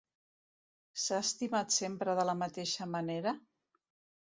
S'ha estimat sempre de la mateixa manera?